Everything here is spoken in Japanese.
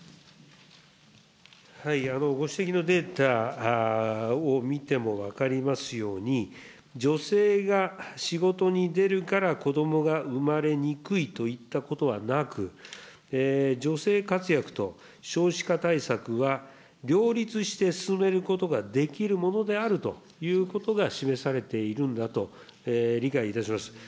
ご指摘のデータを見ても分かりますように、女性が仕事に出るから子どもが生まれにくいといったことはなく、女性活躍と少子化対策は、両立して進めることができるものであるということが示されているんだと理解いたします。